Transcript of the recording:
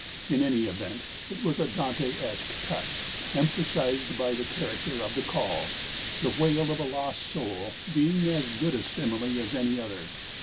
In any event it was a Dantesque touch, emphasized by the character of the call the wail of a lost soul being as good a simile as any other.